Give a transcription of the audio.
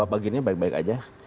bagiannya baik baik saja